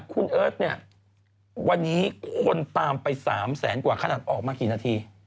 คุณเอิร์ทเนี่ยวันนี้คนตามไป๓แสนกว่าขนาดออกมากี่นาที